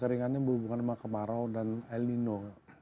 keseringannya berhubungan dengan kemarau dan el nino